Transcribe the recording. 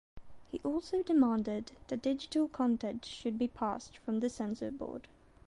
He also demanded that digital content should be passed from the censor board.